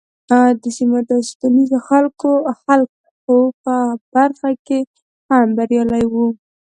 د سیمونو او اوسپنیزو حلقو په برخه کې هم بریالی و